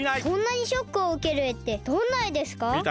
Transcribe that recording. そんなにショックをうけるえってどんなえですか？